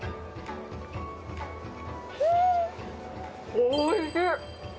おいしい。